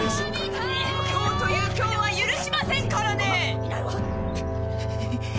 今日という今日は許しませんからね！